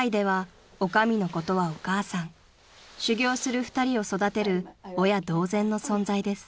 ［修業する２人を育てる親同然の存在です］